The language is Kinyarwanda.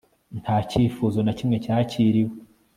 nta cyifuzo na kimwe cyakiriwe